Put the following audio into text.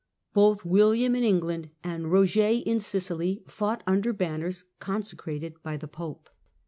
Both William in England and Eoger in Sicily fought under banners con secrated by the Pope.